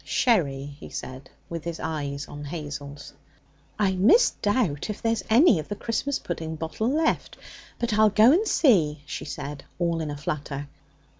'Sherry,' he said, with his eyes on Hazel's. 'I misdoubt if there's any of the Christmas pudding bottle left, but I'll go and see,' she said, all in a flutter.